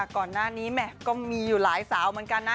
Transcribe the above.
ก่อนหน้านี้ก็มีอยู่หลายสาวเหมือนกันนะ